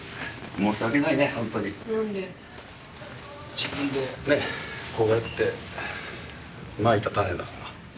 自分でねこうやってまいた種だから。